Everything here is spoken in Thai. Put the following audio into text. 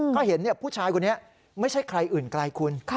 เขาเห็นผู้ชายคนนี้ไม่ใช่ใครอื่นไกลคุณ